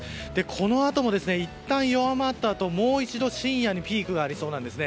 このあともいったん弱まったあともう一度深夜にピークがありそうなんです。